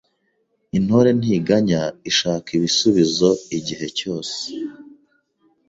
Intore ntiganya ishaka ibisubizoigihencyose